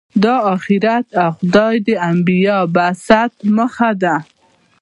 دا آخرت او خدای د انبیا د بعثت موخه ده.